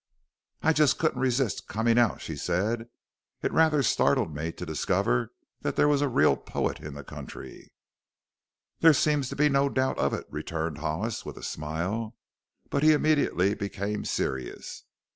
"I just couldn't resist coming out," she said. "It rather startled me to discover that there was a real poet in the country." "There seems to be no doubt of it," returned Hollis with a smile. But he immediately became serious.